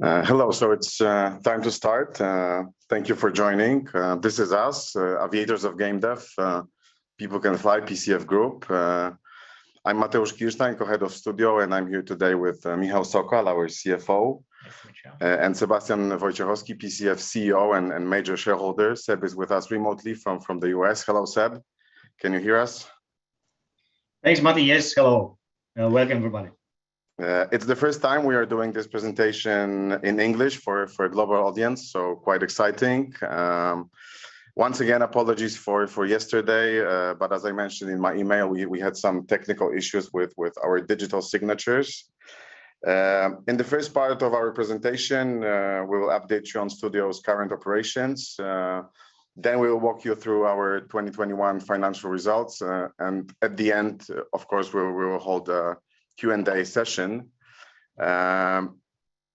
Hello. It's time to start. Thank you for joining. This is us, Aviators of gamedev, People Can Fly, PCF Group. I'm Mateusz Kirstein, Co-Head of Studio, and I'm here today with Michał Sokolski, our CFO. Hi, for sure. Sebastian Wojciechowski, PCF CEO and major shareholder. Seb is with us remotely from the U.S. Hello, Seb. Can you hear us? Thanks, Mati. Yes, hello. Welcome everybody. It's the first time we are doing this presentation in English for a global audience, so quite exciting. Once again, apologies for yesterday, but as I mentioned in my email, we had some technical issues with our digital signatures. In the first part of our presentation, we'll update you on studio's current operations. Then we will walk you through our 2021 financial results, and at the end, of course, we will hold a Q&A session.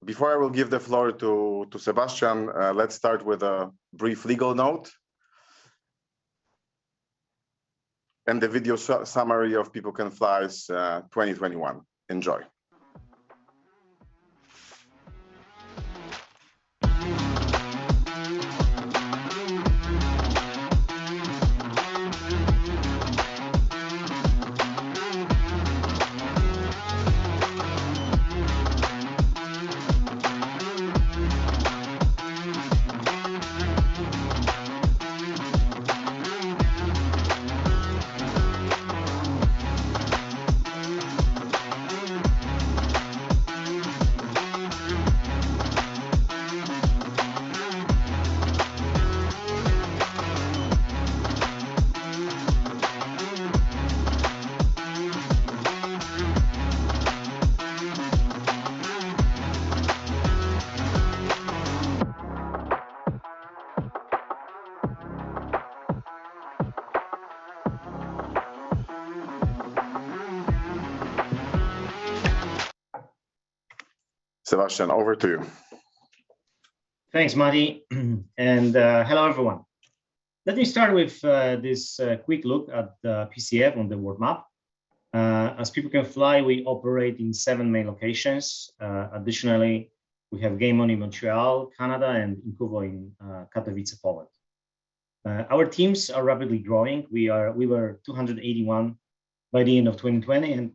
Before I will give the floor to Sebastian, let's start with a brief legal note. The video summary of People Can Fly's 2021. Enjoy. Sebastian, over to you. Thanks, Mati. Hello everyone. Let me start with this quick look at PCF on the world map. As People Can Fly, we operate in seven main locations. Additionally, we have Game On in Montreal, Canada, and in Kórnik, Katowice, Poland. Our teams are rapidly growing. We were 281 by the end of 2020,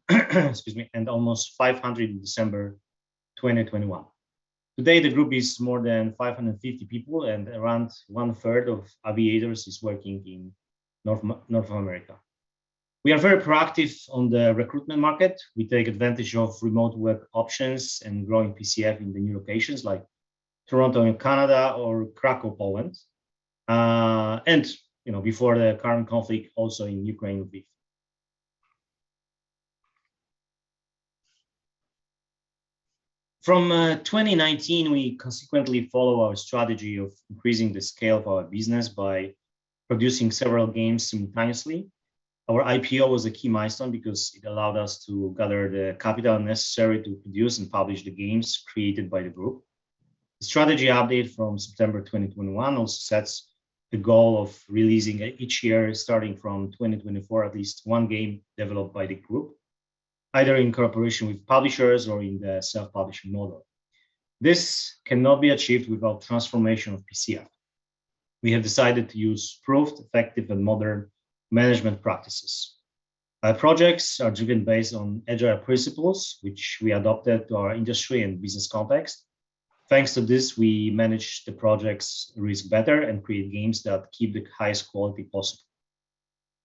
excuse me, and almost 500 in December 2021. Today, the group is more than 550 people, and around one third of Aviators is working in North America. We are very proactive on the recruitment market. We take advantage of remote work options and growing PCF in the new locations, like Toronto in Canada or Kraków, Poland, you know, before the current conflict, also in Ukraine, Lviv. From 2019, we consequently follow our strategy of increasing the scale of our business by producing several games simultaneously. Our IPO was a key milestone because it allowed us to gather the capital necessary to produce and publish the games created by the group. The strategy update from September 2021 sets the goal of releasing each year, starting from 2024, at least one game developed by the group, either in cooperation with publishers or in the self-publishing model. This cannot be achieved without transformation of PCF. We have decided to use proved effective and modern management practices. Our projects are driven based on agile principles, which we adopted to our industry and business context. Thanks to this, we manage the projects risk better and create games that keep the highest quality possible.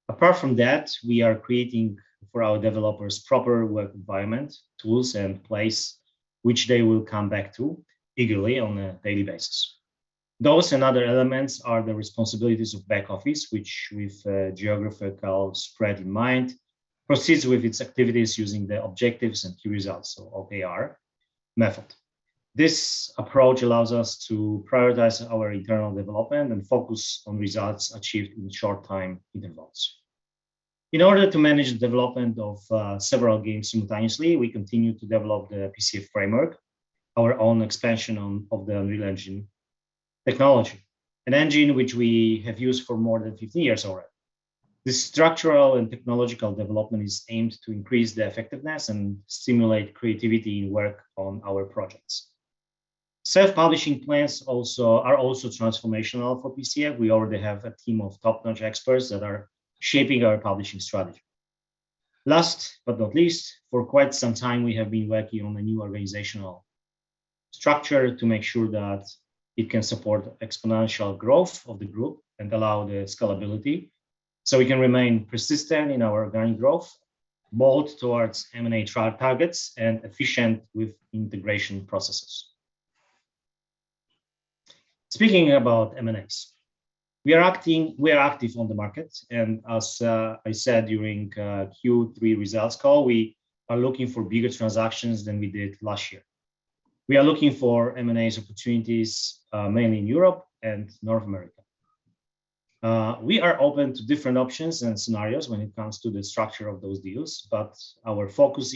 Apart from that, we are creating for our developers proper work environment, tools, and place which they will come back to eagerly on a daily basis. Those and other elements are the responsibilities of back office, which with geographical spread in mind, proceeds with its activities using the objectives and key results, so OKR method. This approach allows us to prioritize our internal development and focus on results achieved in short time intervals. In order to manage the development of several games simultaneously, we continue to develop the PCF Framework, our own expansion of the Unreal Engine technology, an engine which we have used for more than 15 years already. The structural and technological development is aimed to increase the effectiveness and stimulate creativity in work on our projects. Self-publishing plans are transformational for PCF. We already have a team of top-notch experts that are shaping our publishing strategy. Last but not least, for quite some time we have been working on a new organizational structure to make sure that it can support exponential growth of the group and allow the scalability, so we can remain persistent in our organic growth, bold towards M&A targets, and efficient with integration processes. Speaking about M&As, we are active on the market, and as I said during Q3 results call, we are looking for bigger transactions than we did last year. We are looking for M&As opportunities mainly in Europe and North America. We are open to different options and scenarios when it comes to the structure of those deals, but our focus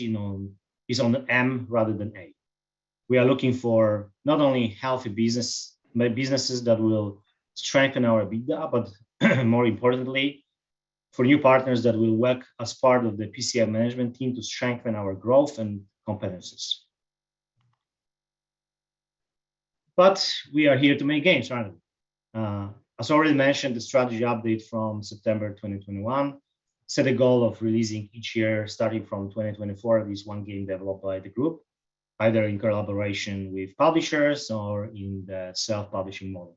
is on the M rather than A. We are looking for not only healthy business, but businesses that will strengthen our EBITDA, but more importantly, for new partners that will work as part of the PCF management team to strengthen our growth and competencies. We are here to make games, right? As already mentioned, the strategy update from September 2021 set a goal of releasing each year starting from 2024 at least one game developed by the group, either in collaboration with publishers or in the self-publishing model.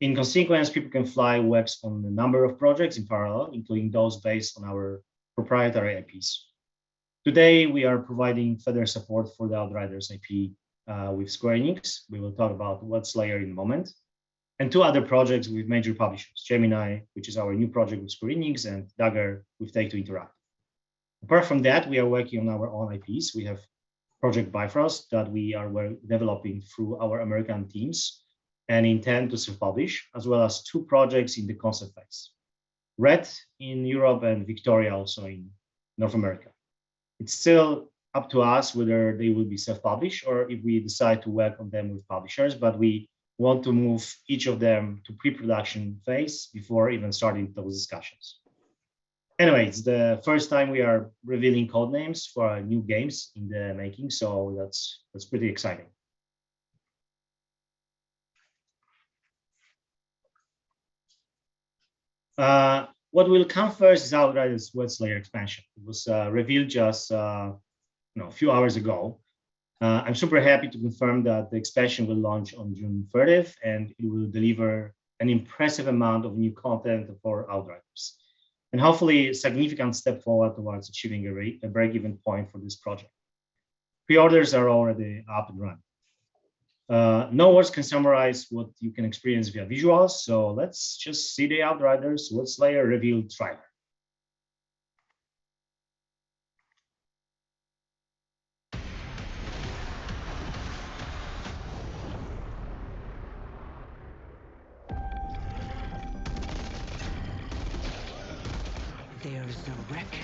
In consequence, People Can Fly works on a number of projects in parallel, including those based on our proprietary IPs. Today, we are providing further support for the Outriders IP with Square Enix. We will talk about Worldslayer in a moment, and two other projects with major publishers, Gemini, which is our new project with Square Enix, and Dagger with Take-Two Interactive. Apart from that, we are working on our own IPs. We have Project Bifrost that we are developing through our American teams and intend to self-publish, as well as two projects in the concept phase, Red in Europe and Victoria also in North America. It's still up to us whether they will be self-publish or if we decide to work on them with publishers, but we want to move each of them to pre-production phase before even starting those discussions. Anyway, it's the first time we are revealing code names for our new games in the making, so that's pretty exciting. What will come first is Outriders Worldslayer expansion. It was revealed just, you know, a few hours ago. I'm super happy to confirm that the expansion will launch on June thirtieth, and it will deliver an impressive amount of new content for Outriders, and hopefully a significant step forward towards achieving a break-even point for this project. Pre-orders are already up and running. No words can summarize what you can experience via visuals, so let's just see the Outriders Worldslayer reveal trailer. There's a reckoning coming. Two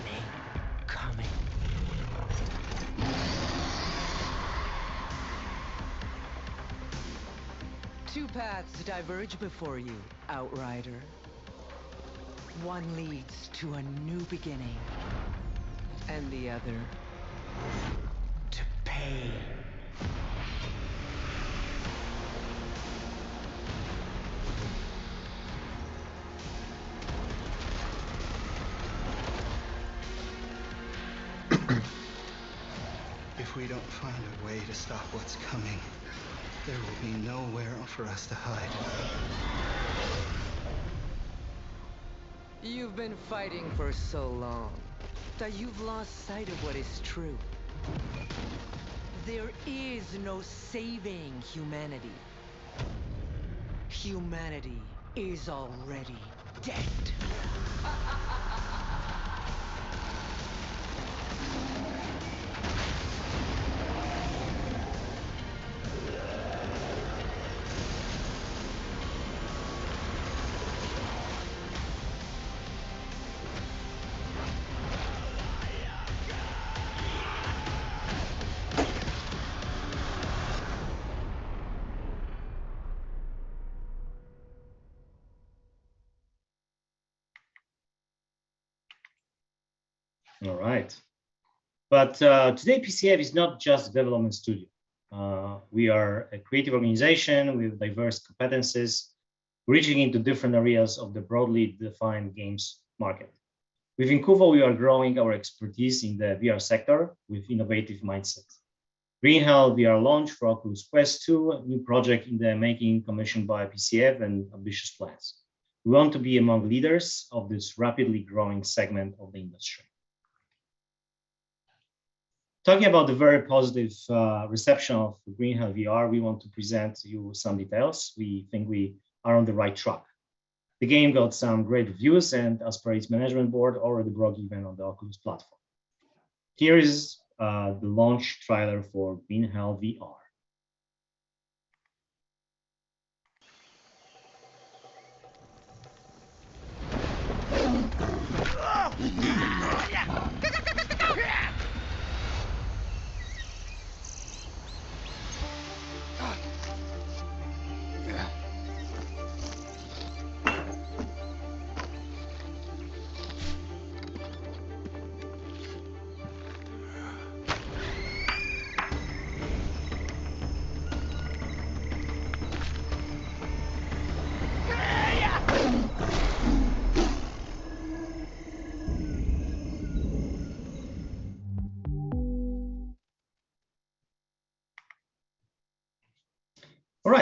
paths diverge before you, Outrider. One leads to a new beginning, and the other to pain. If we don't find a way to stop what's coming, there will be nowhere for us to hide. You've been fighting for so long that you've lost sight of what is true. There is no saving humanity. Humanity is already dead. All right. Today PCF is not just a development studio. We are a creative organization with diverse competencies reaching into different areas of the broadly defined games market. With Incuvo, we are growing our expertise in the VR sector with innovative mindsets. Green Hell VR launched for Oculus Quest two, a new project in the making commissioned by PCF, and ambitious plans. We want to be among leaders of this rapidly growing segment of the industry. Talking about the very positive reception of Green Hell VR, we want to present you some details. We think we are on the right track. The game got some great reviews and, as per its management board, already broke even on the Oculus platform. Here is the launch trailer for Green Hell VR.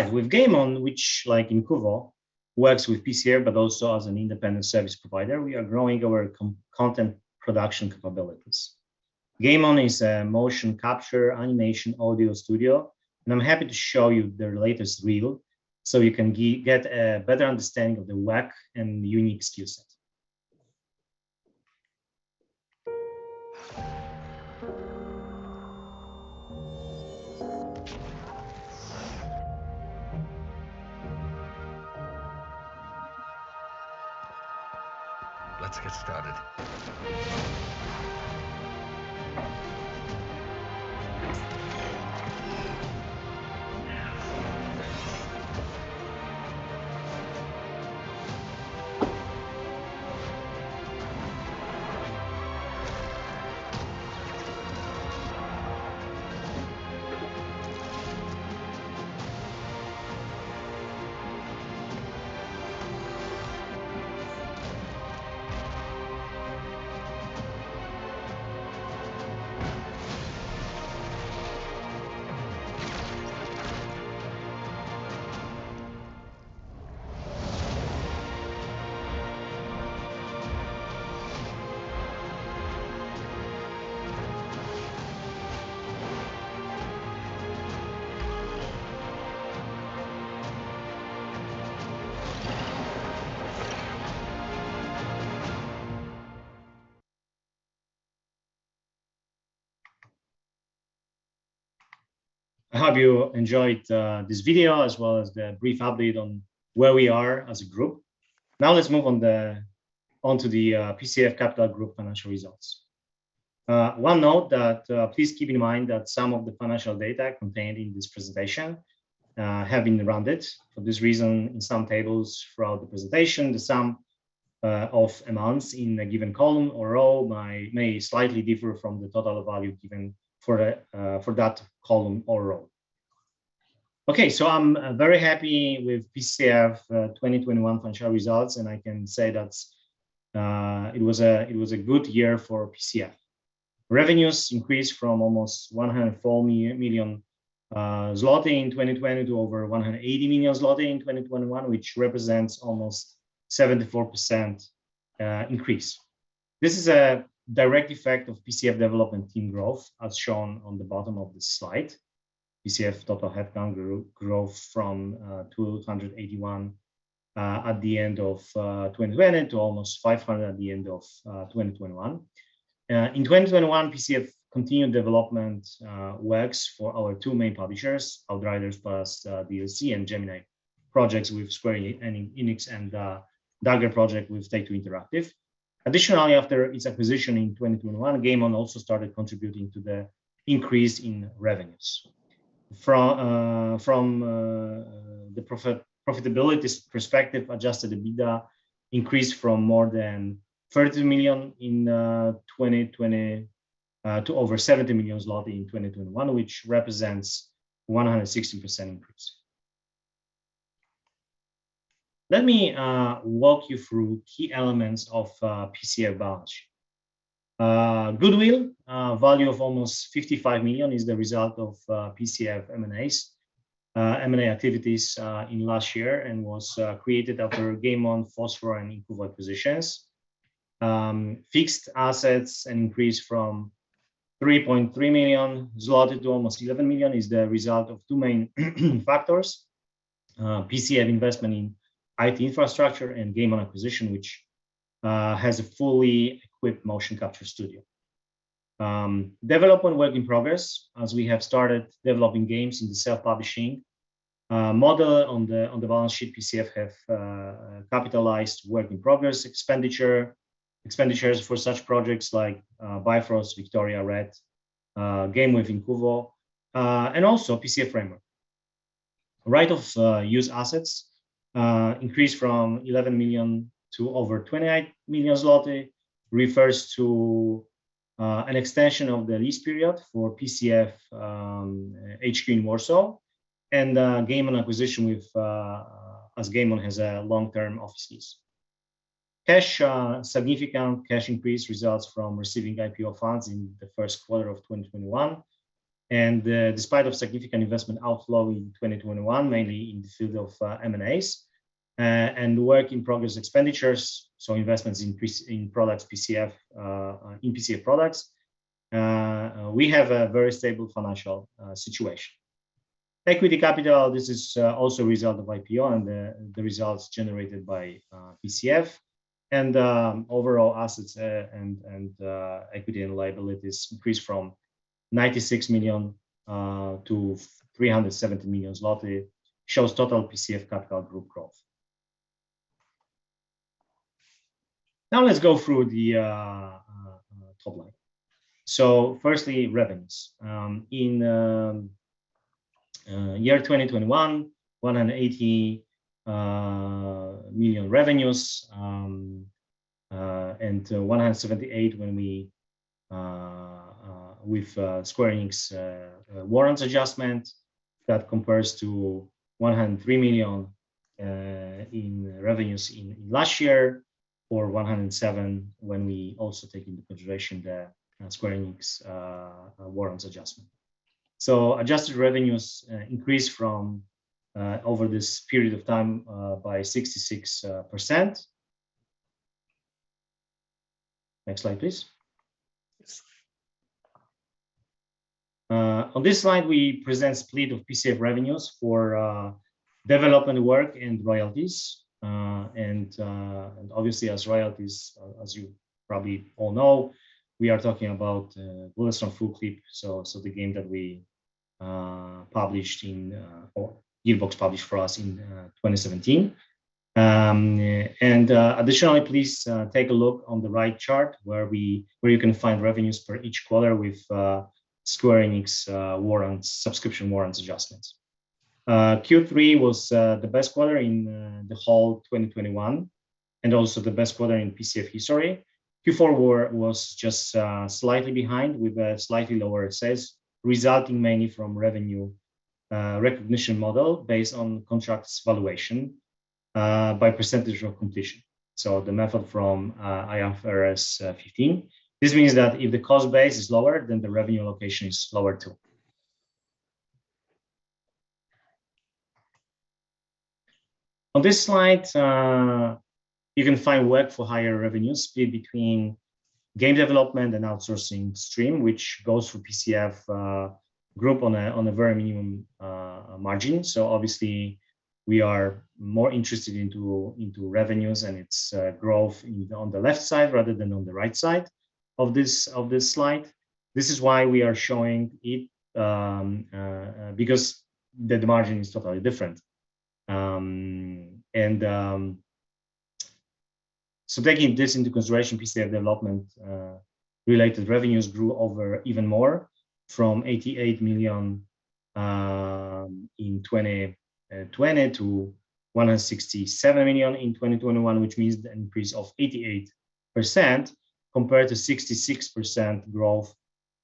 All right. With Game On, which like Incuvo works with PCF but also as an independent service provider, we are growing our content production capabilities. Game On is a motion capture animation audio studio, and I'm happy to show you their latest reel so you can get a better understanding of their work and unique skill set. Let's get started. I hope you enjoyed this video as well as the brief update on where we are as a group. Now let's move onto the PCF Group financial results. One note that please keep in mind that some of the financial data contained in this presentation have been rounded. For this reason, in some tables throughout the presentation, the sum of amounts in a given column or row may slightly differ from the total value given for that column or row. Okay, I'm very happy with PCF 2021 financial results, and I can say that it was a good year for PCF. Revenues increased from almost 104 million zloty in 2020 to over 180 million zloty in 2021, which represents almost 74% increase. This is a direct effect of PCF development team growth, as shown on the bottom of this slide. PCF total headcount grew from 281 at the end of 2020 to almost 500 at the end of 2021. In 2021, PCF continued development works for our two main publishers, Outriders plus DLC and Gemini projects with Square Enix and Dagger project with Take-Two Interactive. Additionally, after its acquisition in 2021, Game On also started contributing to the increase in revenues. From the profitability's perspective, adjusted EBITDA increased from more than 30 million in 2020 to over 70 million zloty in 2021, which represents 160% increase. Let me walk you through key elements of PCF balance sheet. Goodwill value of almost 55 million is the result of PCF M&A activities in last year and was created after Game On, Phosphor and Incuvo acquisitions. Fixed assets increased from 3.3 million zloty to almost 11 million is the result of two main factors, PCF investment in IT infrastructure and Game On acquisition, which has a fully equipped motion capture studio. Development work in progress, as we have started developing games in the self-publishing model. On the balance sheet, PCF have capitalized work in progress expenditures for such projects like Bifrost, Victoria, Red, Game Wave, Incuvo and also PCF Framework. Right-of-use assets increased from 11 million to over 28 million zlotys refers to an extension of the lease period for PCF HQ in Warsaw and Game On acquisition, as Game On has a long-term office lease. Significant cash increase results from receiving IPO funds in the first quarter of 2021. Despite significant investment outflow in 2021, mainly in the field of M&As and work in progress expenditures, investments increase in PCF products, we have a very stable financial situation. Equity capital also a result of IPO and the results generated by PCF and overall assets and equity and liabilities increased from 96 million to 370 million zloty shows total PCF Capital Group growth. Now let's go through the top line. Firstly, revenues. In year 2021, 180 million revenues, and 178 million when we with Square Enix's warrants adjustment. That compares to 103 million in revenues in last year, or 107 million when we also take into consideration the Square Enix's warrants adjustment. Adjusted revenues increased over this period of time by 66%. Next slide, please. Yes. On this slide, we present split of PCF revenues for development work and royalties. Obviously as royalties, as you probably all know, we are talking about Bulletstorm Full Clip, so the game that we published in or Gearbox published for us in 2017. Additionally, please take a look on the right chart where you can find revenues for each quarter with Square Enix warrants, subscription warrants adjustments. Q3 was the best quarter in the whole 2021, and also the best quarter in PCF history. Q4 was just slightly behind with a slightly lower sales, resulting mainly from revenue recognition model based on contracts valuation by percentage of completion, so the method from IFRS 15. This means that if the cost base is lower, then the revenue recognition is lower too. On this slide, you can find the breakdown of the revenue split between game development and outsourcing stream, which goes for PCF Group on a very minimal margin. Obviously we are more interested in revenues and its growth on the left side rather than on the right side of this slide. This is why we are showing it because the margin is totally different. Taking this into consideration, PCF development related revenues grew even more from 88 million in 2020 to 167 million in 2021, which means the increase of 88% compared to 66% growth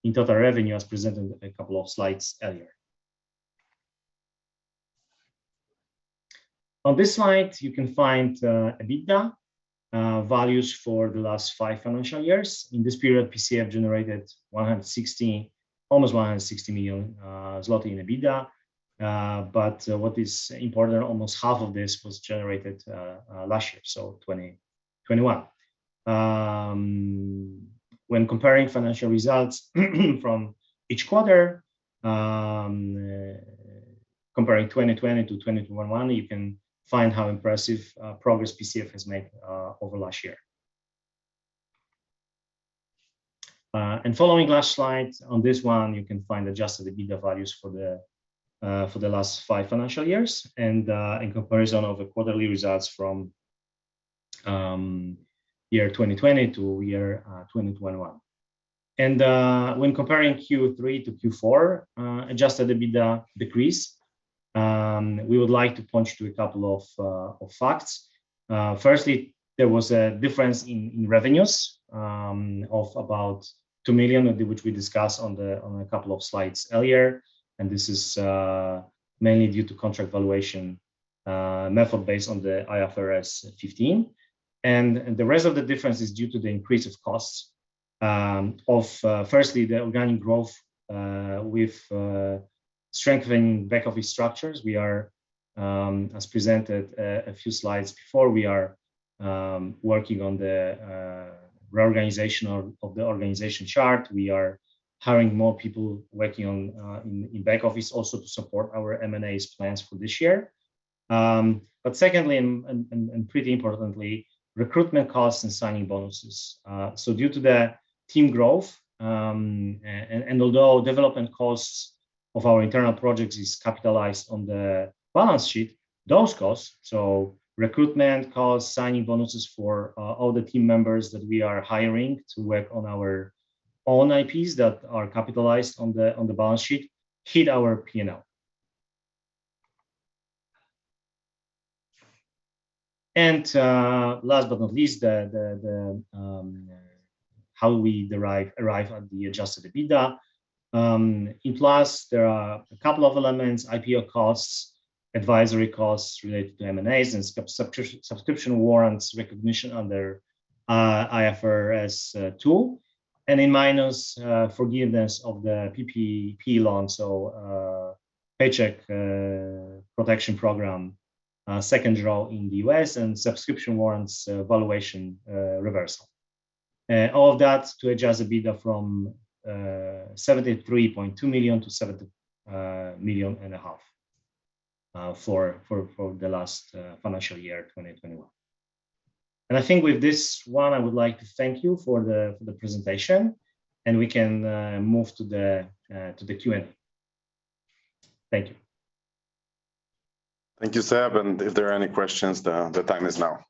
in total revenue as presented a couple of slides earlier. On this slide, you can find EBITDA values for the last five financial years. In this period, PCF generated 116 million, almost 160 million zloty in EBITDA. What is important, almost half of this was generated last year, so 2021. When comparing financial results from each quarter, comparing 2020 to 2021, you can find how impressive progress PCF has made over last year. Following last slide, on this one you can find adjusted EBITDA values for the last five financial years and in comparison of the quarterly results from year 2020 to year 2021. When comparing Q3 to Q4, adjusted EBITDA decrease, we would like to point to a couple of facts. Firstly, there was a difference in revenues of about 2 million, which we discussed on a couple of slides earlier, and this is mainly due to contract valuation method based on the IFRS 15. The rest of the difference is due to the increase of costs, firstly, the organic growth, with strengthening back office structures. We are, as presented a few slides before, working on the reorganization of the organization chart. We are hiring more people working in back office also to support our M&As plans for this year. Secondly and pretty importantly, recruitment costs and signing bonuses. Due to the team growth, and although development costs of our internal projects is capitalized on the balance sheet, those costs, so recruitment costs, signing bonuses for all the team members that we are hiring to work on our own IPs that are capitalized on the balance sheet hit our P&L. Last but not least, the how we arrive at the adjusted EBITDA. In plus there are a couple of elements, IPO costs, advisory costs related to M&As and subscription warrants recognition under IFRS 2, and in minus, forgiveness of the PPP loan, paycheck protection program second draw in the U.S. and subscription warrants valuation reversal. All of that to adjust EBITDA from 73.2 million to 70.5 million for the last financial year, 2021. I think with this one, I would like to thank you for the presentation and we can move to the Q&A. Thank you. Thank you, Seb, and if there are any questions, the time is now.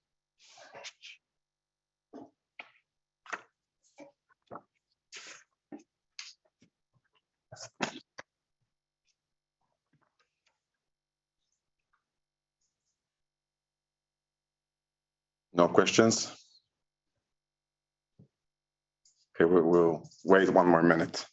No questions? Okay, we'll wait one more minute.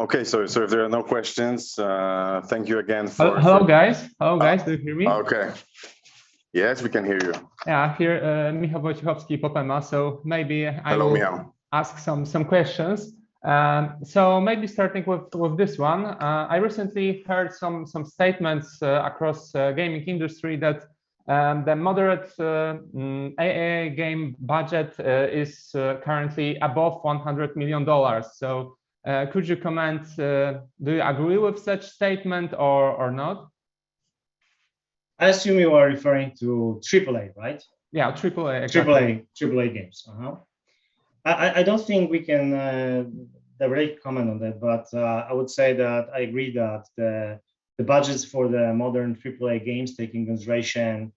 Okay, if there are no questions, thank you again for- Hello, guys. Do you hear me? Oh, okay. Yes, we can hear you. Yeah, here, Michał Wojciechowski, Ipopema, so maybe I will- Hello, Michał Ask some questions. Maybe starting with this one. I recently heard some statements across gaming industry that. The moderate AAA game budget is currently above $100 million. Could you comment, do you agree with such statement or not? I assume you are referring to AAA, right? Yeah, AAA, exactly. AAA games. I don't think we can directly comment on that, but I would say that I agree that the budgets for the modern AAA games take into consideration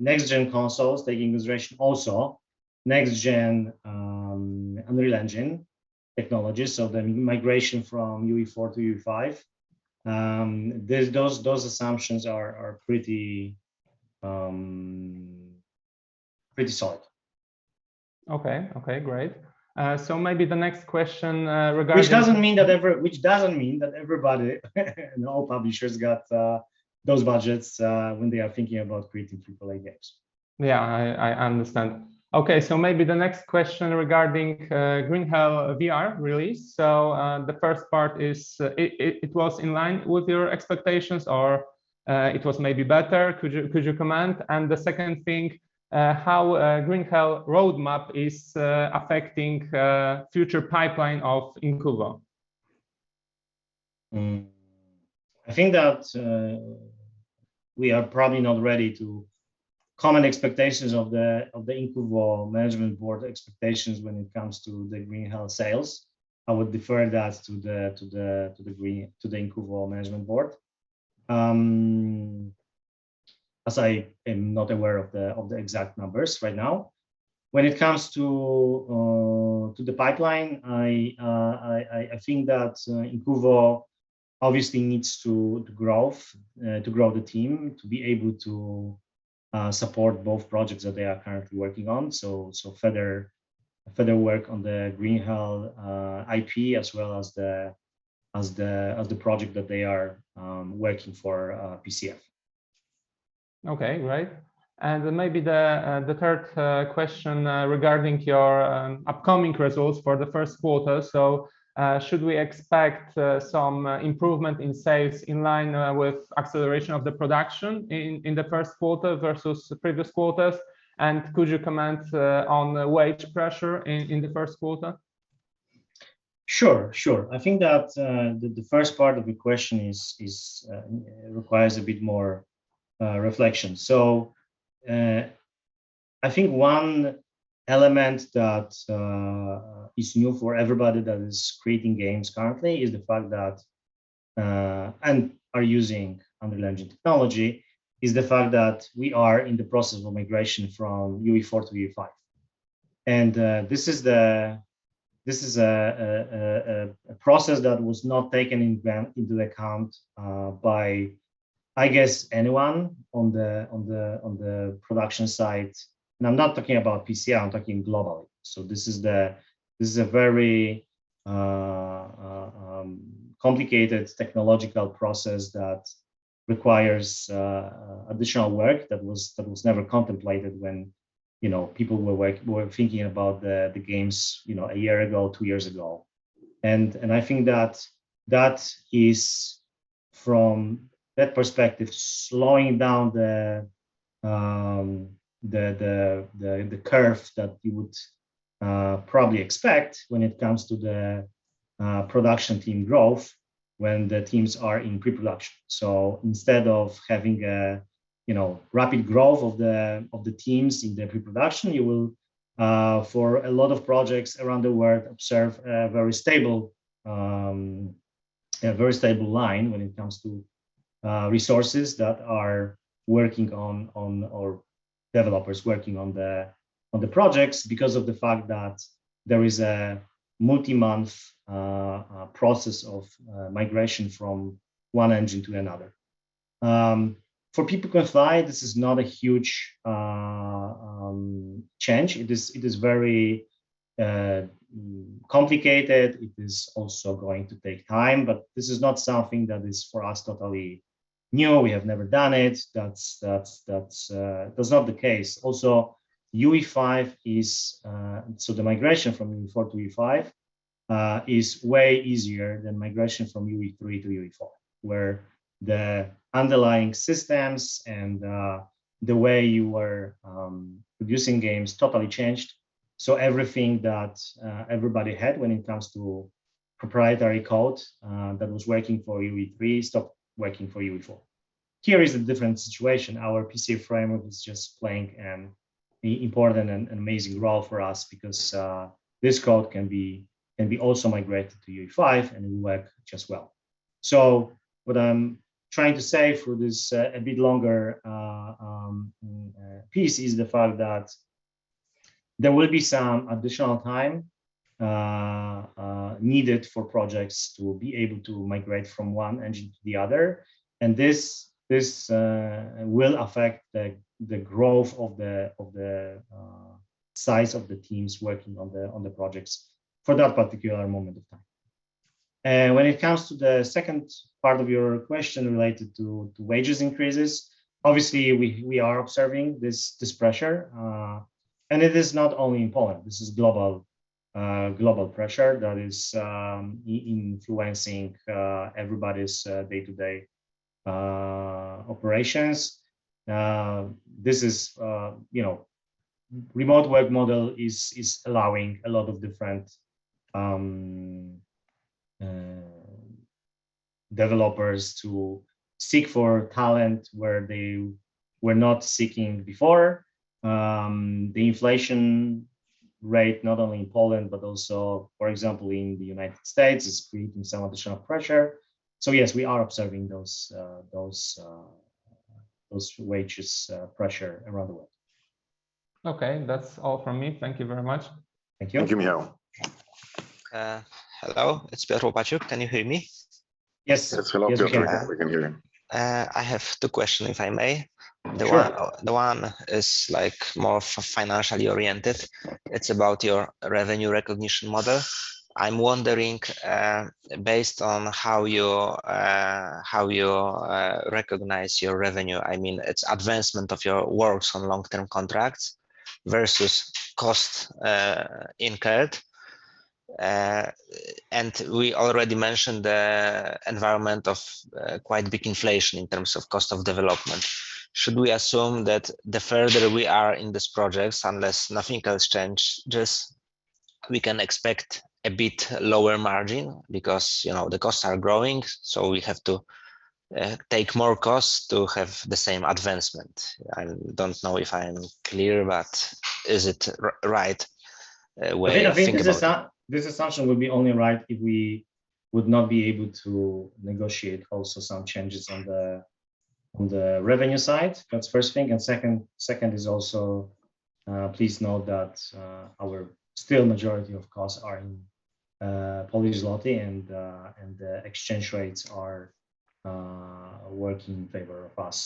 next-gen consoles, take into consideration also next-gen Unreal Engine technologies, so the migration from UE4 to UE5. Those assumptions are pretty solid. Okay, great. Maybe the next question, regarding- Which doesn't mean that everybody and all publishers got those budgets when they are thinking about creating AAA games. Yeah, I understand. Okay, maybe the next question regarding Green Hell VR release. The first part is, it was in line with your expectations or it was maybe better? Could you comment? The second thing, how Green Hell roadmap is affecting future pipeline of Incuvo? I think that we are probably not ready to comment expectations of the Incuvo management board expectations when it comes to the Green Hell sales. I would defer that to the Incuvo management board, as I am not aware of the exact numbers right now. When it comes to the pipeline, I think that Incuvo obviously needs to grow the team, to be able to support both projects that they are currently working on. Further work on the Green Hell IP as well as the project that they are working for PCF. Okay. Great. Maybe the third question regarding your upcoming results for the first quarter. Should we expect some improvement in sales in line with acceleration of the production in the first quarter versus the previous quarters? Could you comment on the wage pressure in the first quarter? Sure. I think that the first part of the question requires a bit more reflection. I think one element that is new for everybody that is creating games currently is the fact that we are in the process of migration from UE4 to UE5, and this is a process that was not taken into account by I guess anyone on the production side. I'm not talking about PCF. I'm talking globally. This is a very complicated technological process that requires additional work that was never contemplated when you know people were thinking about the games you know a year ago two years ago. I think that is, from that perspective, slowing down the curve that you would probably expect when it comes to the production team growth when the teams are in pre-production. Instead of having a, you know, rapid growth of the teams in the pre-production, you will, for a lot of projects around the world, observe a very stable line when it comes to resources that are working on or developers working on the projects because of the fact that there is a multi-month process of migration from one engine to another. For People Can Fly, this is not a huge change. It is very complicated. It is also going to take time, but this is not something that is for us totally new, we have never done it. That's not the case. Also, UE5 is so the migration from UE4 to UE5 is way easier than migration from UE3 to UE4, where the underlying systems and the way you were producing games totally changed. Everything that everybody had when it comes to proprietary code that was working for UE3 stopped working for UE4. Here is a different situation. Our PCF Framework is just playing an important and amazing role for us because this code can be also migrated to UE5 and it will work just well. What I'm trying to say for this a bit longer piece is the fact that there will be some additional time needed for projects to be able to migrate from one engine to the other, and this will affect the growth of the size of the teams working on the projects for that particular moment of time. When it comes to the second part of your question related to wages increases, obviously we are observing this pressure, and it is not only in Poland, this is global pressure that is influencing everybody's day-to-day operations. Now this is, you know, remote work model is allowing a lot of different developers to seek for talent where they were not seeking before. The inflation rate, not only in Poland, but also, for example, in the United States, is creating some additional pressure. Yes, we are observing those wages pressure around the world. Okay. That's all from me. Thank you very much. Thank you. Thank you, Michał. Hello. It's Piotr Łopaciuk. Can you hear me? Yes. Yes, hello Piotr. We can hear you. I have two question, if I may. Sure. The one is, like, more financially oriented. It's about your revenue recognition model. I'm wondering based on how you recognize your revenue, I mean, it's advancement of your works on long-term contracts versus costs incurred. We already mentioned the environment of quite big inflation in terms of cost of development. Should we assume that the further we are in these projects, unless nothing else change, just we can expect a bit lower margin because, you know, the costs are growing, so we have to take more costs to have the same advancement? I don't know if I am clear, but is it right way to think about it? I think this assumption would be only right if we would not be able to negotiate also some changes on the revenue side. That's first thing. Second is also, please note that our still majority of costs are in Polish zloty and the exchange rates are working in favor of us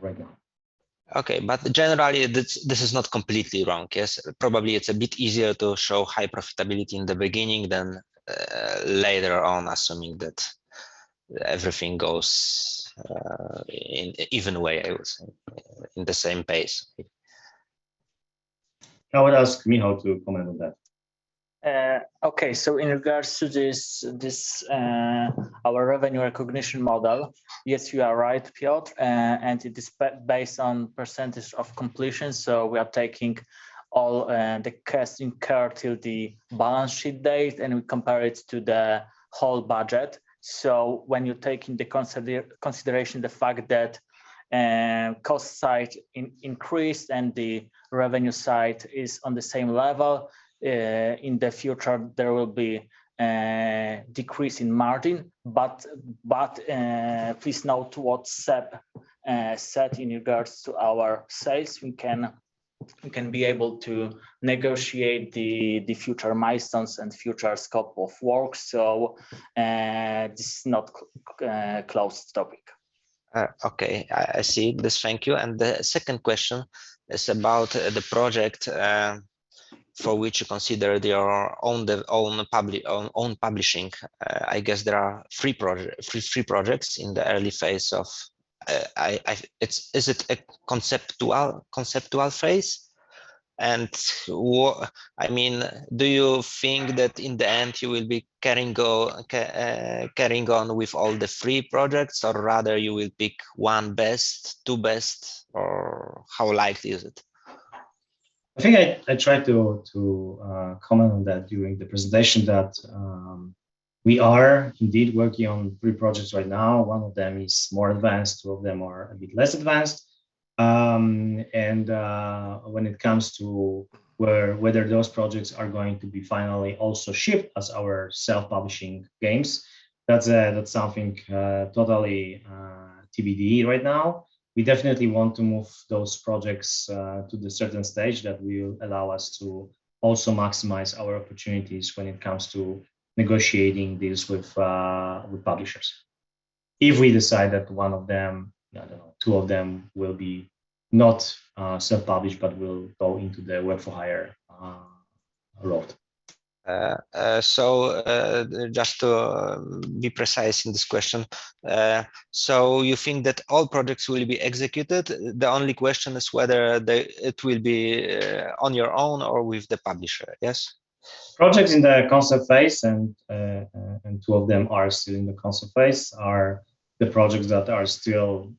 right now. Okay. Generally, this is not completely wrong, yes? Probably it's a bit easier to show high profitability in the beginning than later on, assuming that everything goes in even way, I would say, in the same pace. I would ask Michał to comment on that. Okay. In regards to this, our revenue recognition model, yes, you are right, Piotr, and it is based on percentage of completion. We are taking all the cost incurred till the balance sheet date, and we compare it to the whole budget. When you take into consideration the fact that cost side increased and the revenue side is on the same level, in the future there will be a decrease in margin. But please note what Seb said in regards to our sales. We can be able to negotiate the future milestones and future scope of work, so this is not closed topic. Okay. I see this. Thank you. The second question is about the project for which you consider your own publishing. I guess there are three projects in the early phase of. Is it a conceptual phase? I mean, do you think that in the end you will be carrying on with all the three projects? Or rather you will pick one best, two best? Or how likely is it? I think I tried to comment on that during the presentation, that we are indeed working on three projects right now. One of them is more advanced, two of them are a bit less advanced. When it comes to whether those projects are going to be finally also shipped as our self-publishing games, that's something totally TBD right now. We definitely want to move those projects to the certain stage that will allow us to also maximize our opportunities when it comes to negotiating this with publishers. If we decide that one of them, I don't know, two of them will be not self-published, but will go into the work-for-hire route. Just to be precise in this question. You think that all projects will be executed? The only question is whether it will be on your own or with the publisher, yes? Projects in the concept phase, and two of them are still in the concept phase, are the projects that are still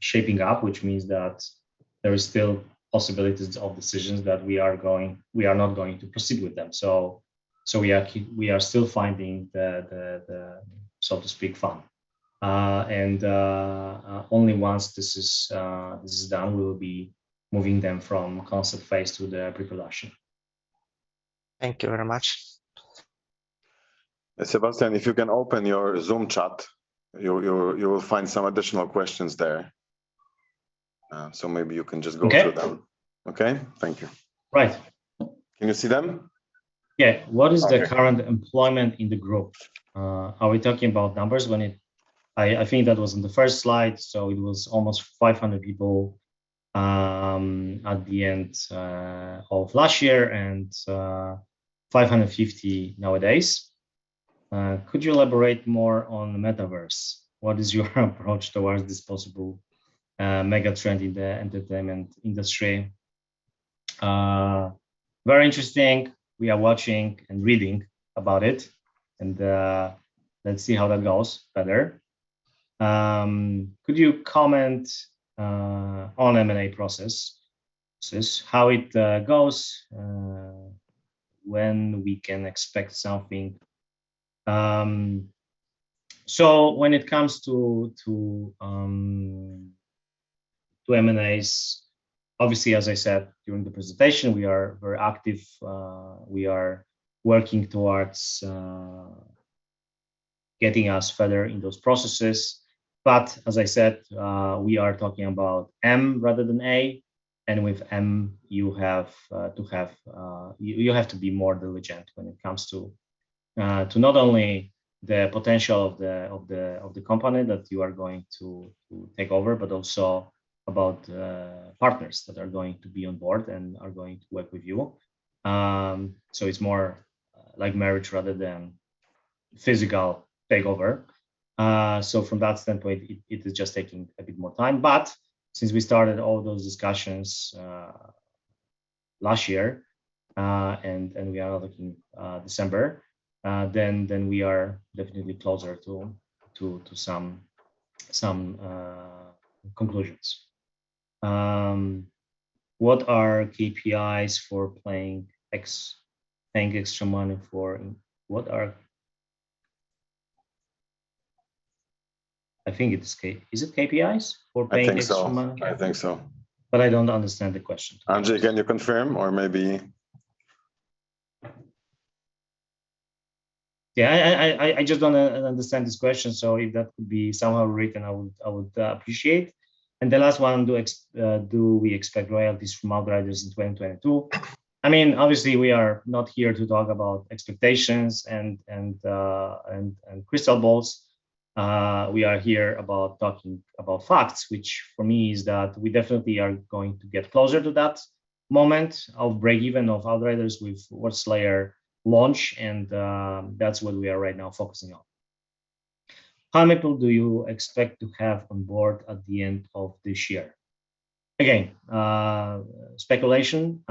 shaping up, which means that there is still possibilities of decisions that we are not going to proceed with them. We are still finding the fun, so to speak. Only once this is done, we will be moving them from concept phase to the pre-production. Thank you very much. Sebastian, if you can open your Zoom chat, you will find some additional questions there. Maybe you can just go through them. Okay. Okay? Thank you. Right. Can you see them? What is the current employment in the group?" Are we talking about numbers? I think that was in the first slide, so it was almost 500 people at the end of last year, and 550 nowadays. Could you elaborate more on Metaverse? What is your approach towards this possible mega trend in the entertainment industry? Very interesting. We are watching and reading about it, and let's see how that goes better. Could you comment on M&A process? So it's how it goes, when we can expect something. When it comes to M&As, obviously, as I said during the presentation, we are very active. We are working towards getting us further in those processes. As I said, we are talking about M rather than A, and with M you have to have. You have to be more diligent when it comes to not only the potential of the company that you are going to take over, but also about partners that are going to be on board and are going to work with you. It's more like marriage rather than physical takeover. From that standpoint, it is just taking a bit more time. Since we started all those discussions last year, and we are looking December, then we are definitely closer to some conclusions. What are KPIs for paying extra money for. What are. I think it is KPIs for paying extra money? I think so. I don't understand the question. Andrzej, can you confirm or maybe? Yeah, I just don't understand this question, so if that could be somehow written, I would appreciate. The last one. Do we expect royalties from Outriders in 2022? I mean, obviously we are not here to talk about expectations and crystal balls. We are here to talk about facts, which for me is that we definitely are going to get closer to that moment of breakeven of Outriders with Worldslayer launch and that's what we are right now focusing on. How many people do you expect to have on board at the end of this year? Again, speculation,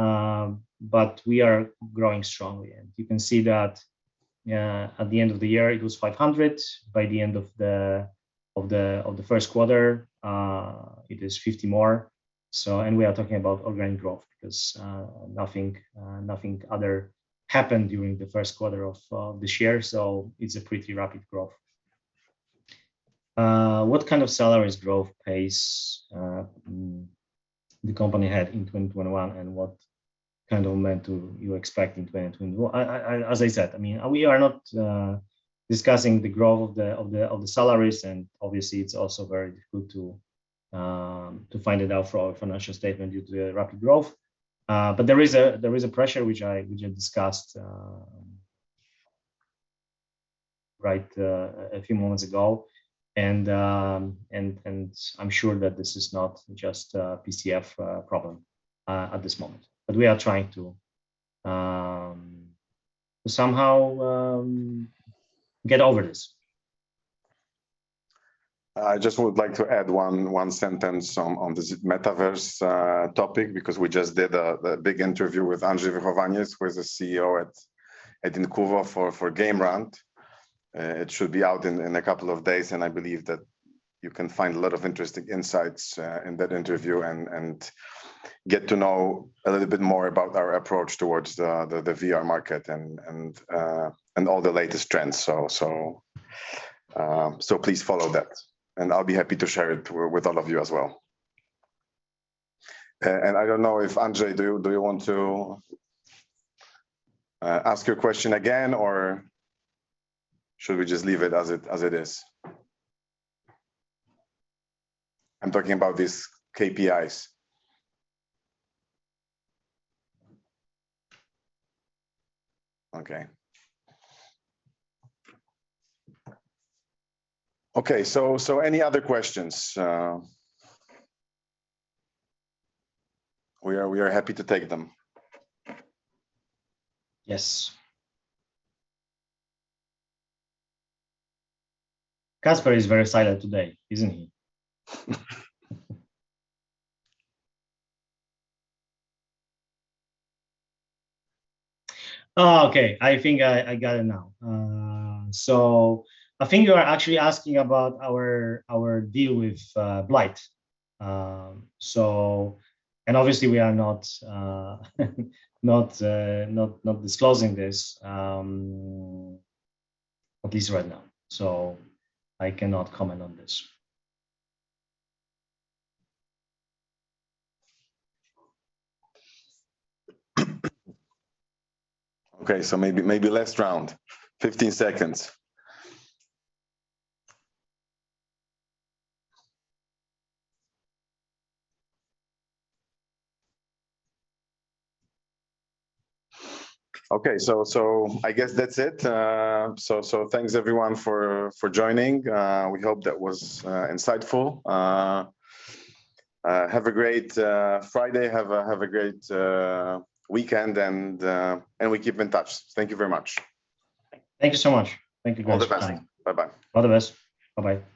but we are growing strongly, and you can see that at the end of the year, it was 500. By the end of the first quarter, it is 50 more. We are talking about organic growth because nothing other happened during the first quarter of this year. It's a pretty rapid growth. What kind of salaries growth pace the company had in 2021, and what kind of momentum you expect in 2022? As I said, I mean, we are not discussing the growth of the salaries, and obviously it's also very difficult to find it out for our financial statement due to the rapid growth. There is a pressure which I discussed right a few moments ago. I'm sure that this is not just a PCF problem at this moment, but we are trying to somehow get over this. I just would like to add one sentence on this Metaverse topic because we just did a big interview with Andrzej Wychowaniec, who is the CEO at Incuvo for Game Rant. It should be out in a couple of days, and I believe that you can find a lot of interesting insights in that interview and get to know a little bit more about our approach towards the VR market and all the latest trends. Please follow that, and I'll be happy to share it with all of you as well. I don't know if, Andrzej, do you want to ask your question again, or should we just leave it as it is? I'm talking about these KPIs. Okay. Any other questions? We are happy to take them. Yes. Kasper is very silent today, isn't he? Oh, okay. I think I got it now. I think you are actually asking about our deal with Blight. Obviously we are not disclosing this at least right now. I cannot comment on this. Okay. Maybe last round. 15 seconds. Okay. I guess that's it. Thanks everyone for joining. We hope that was insightful. Have a great Friday, have a great weekend, and we keep in touch. Thank you very much. Thank you so much. Thank you guys for coming. All the best. Bye-bye. All the best. Bye-bye.